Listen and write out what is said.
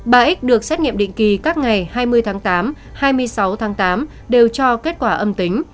bà x được xét nghiệm định kỳ các ngày hai mươi tháng tám hai mươi sáu tháng tám đều cho kết quả âm tính